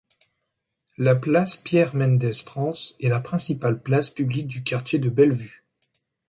La place Pierre-Mendès-France est la principale place publique du quartier de Bellevue.